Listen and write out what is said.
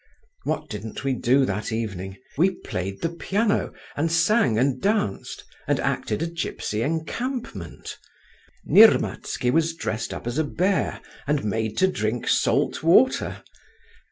What didn't we do that evening! We played the piano, and sang and danced and acted a gypsy encampment. Nirmatsky was dressed up as a bear, and made to drink salt water.